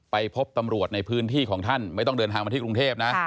ไปพบตำรวจในพื้นที่ของท่านไม่ต้องเดินทางมาที่กรุงเทพนะ